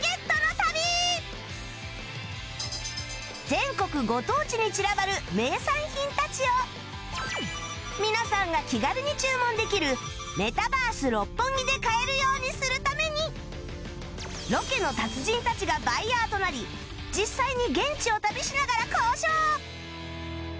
全国ご当地に散らばる名産品たちを皆さんが気軽に注文できるメタバース六本木で買えるようにするためにロケの達人たちがバイヤーとなり実際に現地を旅しながら交渉！